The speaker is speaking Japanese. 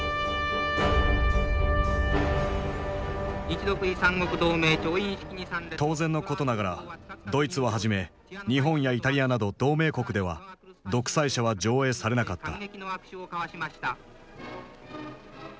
日独伊三国同盟調印式に参列当然のことながらドイツをはじめ日本やイタリアなど同盟国では「独裁者」は上映されなかった。